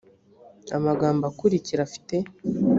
amagambo akurikira afite